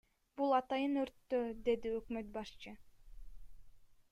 Бул атайын өрттөө, — деди өкмөт башчы.